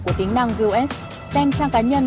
của tính năng vos xem trang cá nhân